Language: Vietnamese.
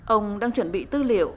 ông đang chuẩn bị tư liệu